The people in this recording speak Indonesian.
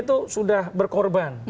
itu sudah berkorban